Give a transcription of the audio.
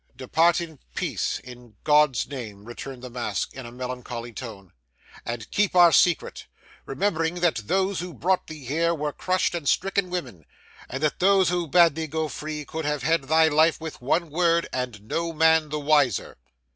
'Depart in peace, in God's name,' returned the Mask in a melancholy tone, 'and keep our secret, remembering that those who brought thee here were crushed and stricken women, and that those who bade thee go free could have had thy life with one word, and no man the wiser.